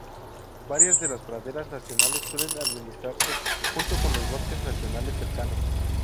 Varias de las praderas nacionales suelen administrarse junto con los bosques nacionales cercanos.